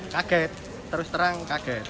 kaget terus terang kaget